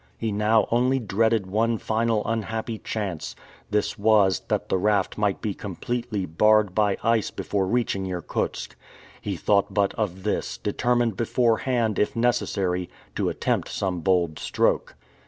He now only dreaded one final unhappy chance; this was, that the raft might be completely barred by ice before reaching Irkutsk. He thought but of this, determined beforehand, if necessary, to attempt some bold stroke.